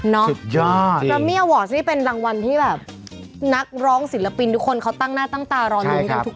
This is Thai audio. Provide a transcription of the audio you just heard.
นี่เป็นรางวัลที่แบบนักร้องศิลปินทุกคนเขาตั้งหน้าตั้งตารอนรุ่นกันทุกปี